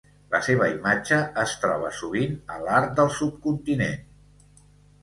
La seva imatge es troba sovint a l'art del subcontinent.